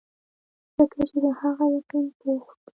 ځکه چې د هغه يقين پوخ وي -